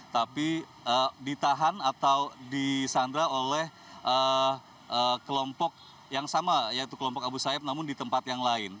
tapi ditahan atau disandra oleh kelompok yang sama yaitu kelompok abu sayyaf namun di tempat yang lain